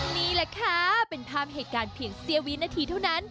นี่แหละค่ะเป็นภาพเหตุการณ์เพียงเสี้ยวินาทีเท่านั้น